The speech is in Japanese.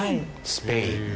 スペイン。